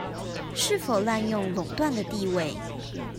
是否濫用壟斷的地位